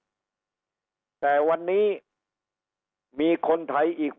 ข้าวกินไม่มีเงินเราก็มีข้าวกินแต่วันนี้มีคนไทยอีกมากอยู่ในสภาพไม่มีอะไรจะกิน